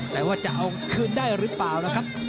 แต่ว่าจะเอาคืนได้หรือเปล่านะครับ